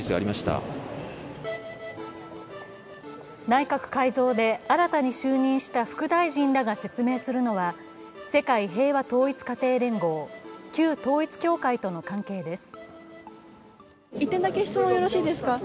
内閣改造で新たに就任した副大臣らが説明するのは世界平和統一家庭連合＝旧統一教会との関係です。